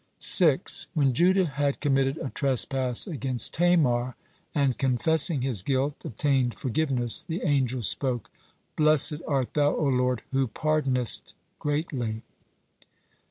6. When Judah had committed a trespass against Tamar, and confessing his guilt obtained forgiveness, the angels spoke: "Blessed art Thou, O Lord, who pardonest greatly."